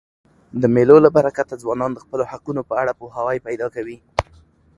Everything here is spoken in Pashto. د مېلو له برکته ځوانان د خپلو حقونو په اړه پوهاوی پیدا کوي.